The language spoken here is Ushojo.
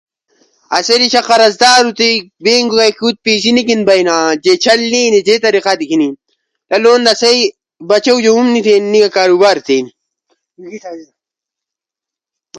اسی دیخلق بیگ کی پسی نی گنبین کی سنت چلی نی عنی اسوة ساد خلق ہنیاسو بیگ شودی نیش